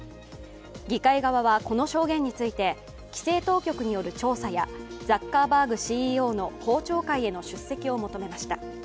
議会側はこの証言について規制当局による調査やザッカーバーグＣＥＯの公聴会への出席を求めました。